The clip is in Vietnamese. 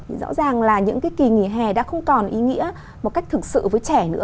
thì rõ ràng là những cái kỳ nghỉ hè đã không còn ý nghĩa một cách thực sự với trẻ nữa